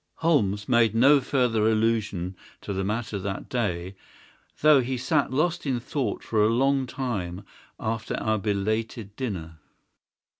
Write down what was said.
Holmes made no further allusion to the matter that day, though he sat lost in thought for a long time after our belated dinner.